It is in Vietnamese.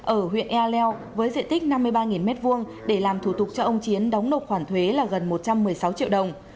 ở huyện ea leo với diện tích năm mươi ba m hai để làm thủ tục cho ông chiến đóng nộp khoản thuế là gần một trăm một mươi sáu triệu đồng